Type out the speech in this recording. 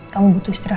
kamu di sini